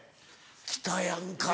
来たやんか。